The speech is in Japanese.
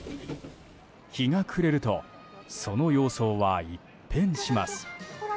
日が暮れるとその様相は一変します。